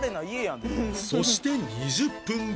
そして２０分後